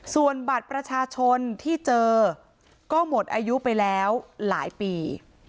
ส่วนบัตรประชาชนที่เจอก็หมดอายุไปแล้วหลายปี